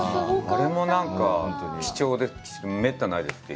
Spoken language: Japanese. あれもなんか貴重で、めったにないですって。